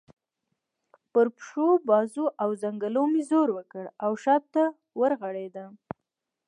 پر پښو، بازو او څنګلو مې زور وکړ او شا ته ورغړېدم.